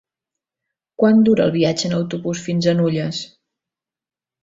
Quant dura el viatge en autobús fins a Nulles?